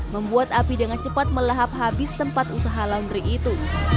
membuat api dengan cepat melahap habis tempat usaha laundry itu